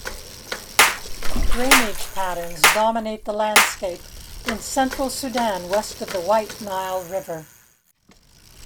Drainage patterns dominate the landscape in central Sudan west of the White Nile River.